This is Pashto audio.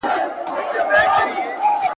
کله چې درملنه پر وخت وشي، د خلکو انرژي ساتل کېږي.